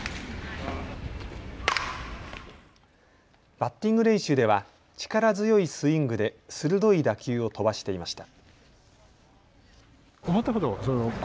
バッティング練習では力強いスイングで鋭い打球を飛ばしていました。